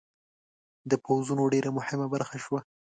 د پوځونو ډېره مهمه برخه شوه.